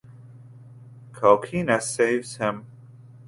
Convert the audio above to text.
Coquina saves him.